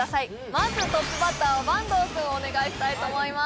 まずトップバッターは坂東君お願いしたいと思います